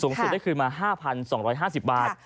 สูงสุดได้คืนมา๕๒๕๐บาท